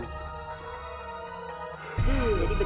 maka udah basi kan